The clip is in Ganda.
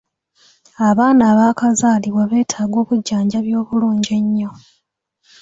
Abaana abaakazaalibwa beetaaga obujjanjabi obulungi ennyo.